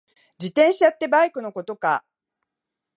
自転車ってこのバイクのことか？